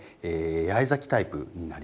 八重咲きタイプになります。